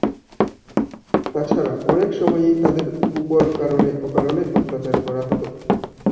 তাছাড়া অনেক সময়ই তাদের উপর কারণে অকারণে অত্যাচার করা হতো।